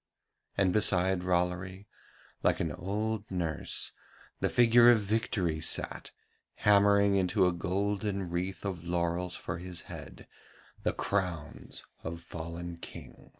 And beside Rollory, like an old nurse, the figure of Victory sat, hammering into a golden wreath of laurels for his head the crowns of fallen Kings.